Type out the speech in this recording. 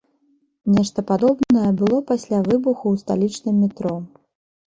Нешта падобнае было пасля выбуху ў сталічным метро.